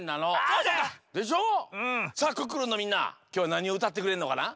さあ「クックルン」のみんなきょうはなにをうたってくれるのかな？